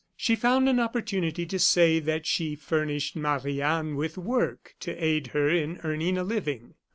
She found an opportunity to say that she furnished Marie Anne with work to aid her in earning a living.